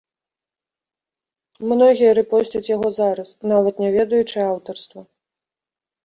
Многія рэпосцяць яго зараз, нават не ведаючы аўтарства.